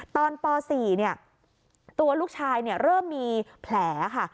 ตอนป๔เนี่ยตัวลูกชายเนี่ยเริ่มมีแผลค่ะ